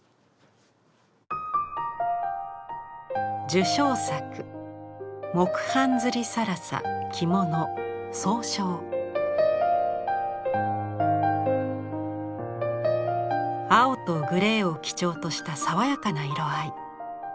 受賞作青とグレーを基調とした爽やかな色合い。